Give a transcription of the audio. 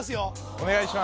お願いします